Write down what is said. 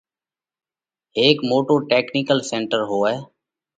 هيڪ موٽو ٽيڪنِيڪل سينٽر هوئہ۔